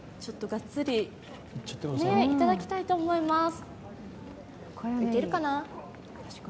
がっつりいただきたいと思います。